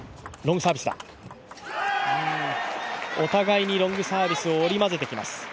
お互いにロングサービスを織り交ぜてきます。